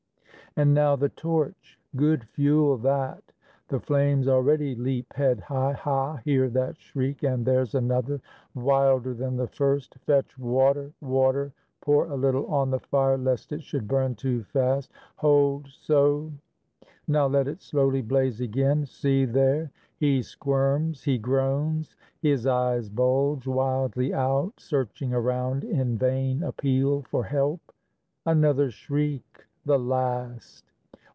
And now the torch! Good fuel that! the flames Already leap head high. Ha! hear that shriek! And there's another! Wilder than the first. Fetch water! Water! Pour a little on The fire, lest it should burn too fast. Hold so! Now let it slowly blaze again. See there! He squirms! He groans! His eyes bulge wildly out, Searching around in vain appeal for help! Another shriek, the last!